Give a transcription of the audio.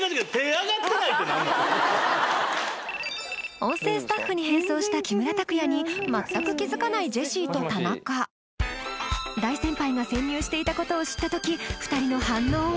音声スタッフに変装した木村拓哉に全く気づかないジェシーと田中大先輩が潜入していたことを知った時２人の反応は？